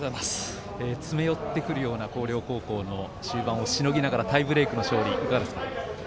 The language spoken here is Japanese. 詰め寄ってくるような広陵高校の終盤をしのぎながらタイブレークの勝利いかがでしたか。